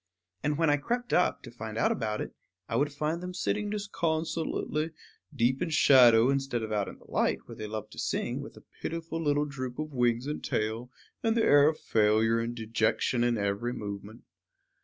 And when I crept up, to find out about it, I would find them sitting disconsolately, deep in shadow, instead of out in the light where they love to sing, with a pitiful little droop of wings and tail, and the air of failure and dejection in every movement.